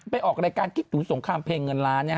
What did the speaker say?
ออกรายการคิดถึงสงครามเพลงเงินล้าน